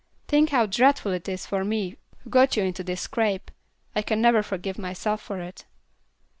Think how dreadful it is for me who got you into this scrape. I can never forgive myself for it."